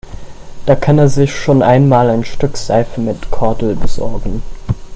Dann kann er sich schon einmal ein Stück Seife mit Kordel besorgen.